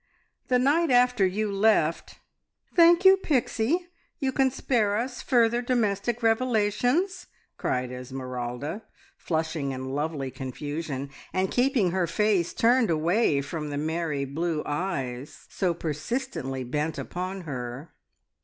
The night after you left " "Thank you, Pixie, you can spare us further domestic revelations!" cried Esmeralda, flushing in lovely confusion, and keeping her face turned away from the merry blue eyes so persistently bent upon her.